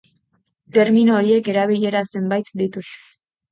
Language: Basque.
Termino horiek erabilera zenbait dituzte.